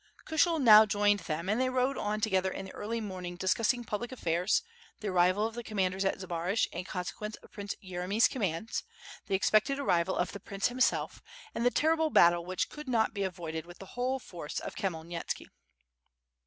Kushel now joined them, and they rode on together in the early morning discussing public affairs, the arrival of the commanders at Zbaraj in consequence of Prince Yere my's commands, the expected arrival of the prince himself, and the terrible battle which could not be avoided with the whole force of Khmyelnitski.